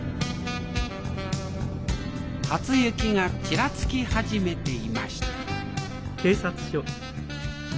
初雪がちらつき始めていました